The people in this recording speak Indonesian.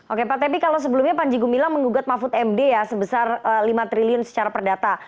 oke pak tepi kalau sebelumnya panji gumilang mengugat mahfud md ya sebesar lima triliun secara perdata